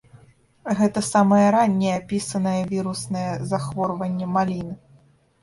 Гэта самае ранняе апісанае віруснае захворванне маліны.